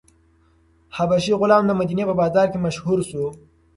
حبشي غلام د مدینې په بازار کې مشهور شو.